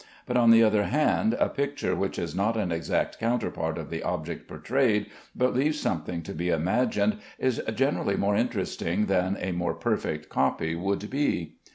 But, on the other hand, a picture which is not an exact counterpart of the object portrayed, but leaves something to be imagined, is generally more interesting than a more perfect copy would be.